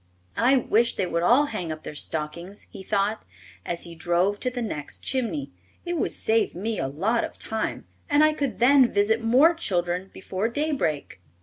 "I wish they would all hang up their stockings," he thought, as he drove to the next chimney. "It would save me a lot of time and I could then visit more children before daybreak."